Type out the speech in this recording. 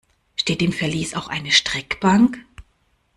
Steht im Verlies auch eine Streckbank?